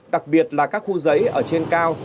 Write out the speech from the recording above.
đặc biệt là các khu giấy ở trên cao